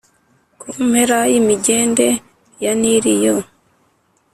ku mpera y imigende ya Nili yo